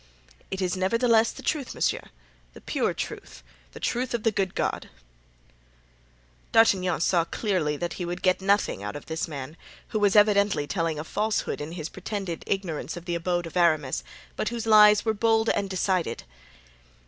"It is, nevertheless, the truth, monsieur—the pure truth, the truth of the good God." D'Artagnan saw clearly that he would get nothing out of this man, who was evidently telling a falsehood in his pretended ignorance of the abode of Aramis, but whose lies were bold and decided.